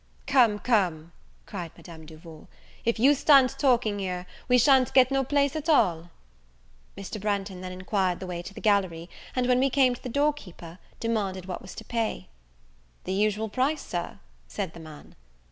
"Come, come," cried Madame Duval, "if you stand talking here, we shan't get no place at all." Mr. Branghton then enquired the way to the gallery; and, when we came to the door keeper, demanded what was to pay. "The usual price, Sir," said the man.